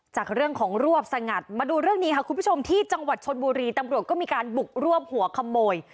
จากเรื่องของรวบสงัดมาดูเรื่องนี้ค่ะคุณผู้ชมที่จังหวัดชนบุรีตำรวจก็มีการบุกรวบหัวขโมย